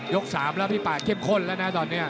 ๓แล้วพี่ป่าเข้มข้นแล้วนะตอนนี้